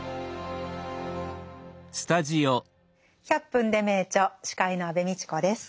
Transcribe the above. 「１００分ｄｅ名著」司会の安部みちこです。